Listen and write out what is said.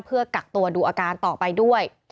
เพื่อกักตัวดูอาการต่อไปด้วย